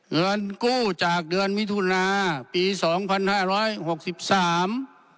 เงินกู้จากเดือนมิถุนาปีสองพันห้าร้อยหกสิบสาม